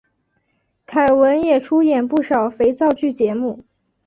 凯文也出演不少肥皂剧节目。